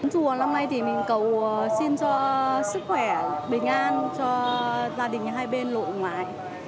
chùa năm nay thì mình cầu xin cho sức khỏe bình an cho gia đình hai bên lộ mái